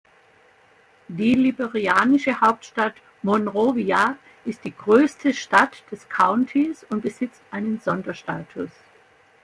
Die liberianische Hauptstadt Monrovia ist die größte Stadt des Countys und besitzt einen Sonderstatus.